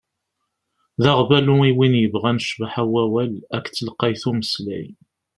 D aɣbalu i win yebɣan ccbaḥa n wawal akked telqayt n umeslay.